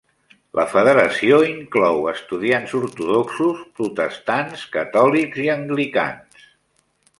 La Federació inclou estudiants ortodoxos, protestants, catòlics i anglicans.